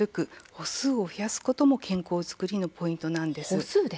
歩数を増やすことも健康作りのポイントなんです。